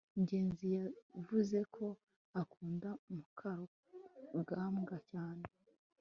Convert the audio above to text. ngenzi yavuze ko akunda mukarugambwa cyane